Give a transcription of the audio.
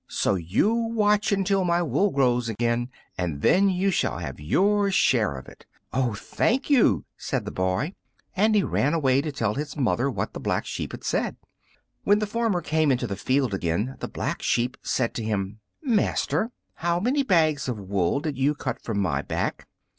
So you watch until my wool grows again, and then you shall have your share of it." "Oh, thank you!" said the boy, and he ran away to tell his mother what the Black Sheep had said. When the farmer came into the field again the Black Sheep said to him, "Master, how many bags of wool did you cut from my back?"